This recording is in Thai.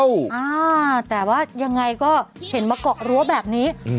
อ่าแต่ว่ายังไงก็เห็นมาเกาะรั้วแบบนี้อืม